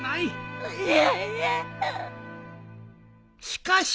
しかし。